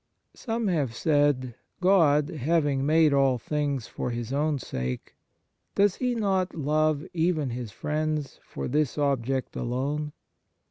2 Some have said: God, having made all things for His own sake, does He not love even His friends for this object alone